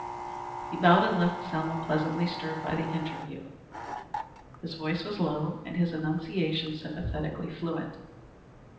He bowed and left Selma pleasantly stirred by the interview. His voice was low and his enunciation sympathetically fluent.